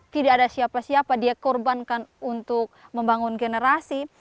tidak ada siapa siapa dia korbankan untuk membangun generasi